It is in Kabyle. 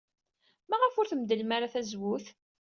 Maɣef ur tmeddlem ara tazewwut?